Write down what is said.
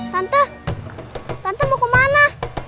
tante tante mau kemana